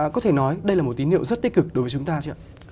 có thể nói đây là một tín hiệu rất tích cực đối với chúng ta chưa ạ